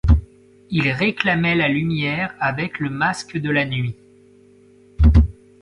Ils réclamaient la lumière avec le masque de la nuit.